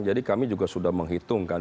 jadi kami juga sudah menghitungkan